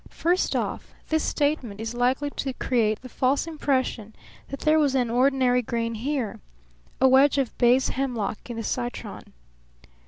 First off, this statement is likely to create the false impression that there was an ordinary grain here, a wedge of base hemlock in the citron.